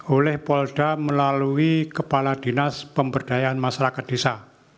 oleh polda melalui kepala dinas pemberdayaan masyarakat desa